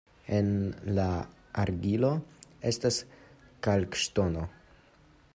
En la argilo estas kalkŝtono.